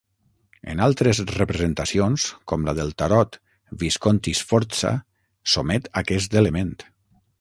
En altres representacions, com la del Tarot Visconti-Sforza, s'omet aquest element.